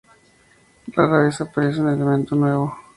Rara vez aparece un elemento nuevo.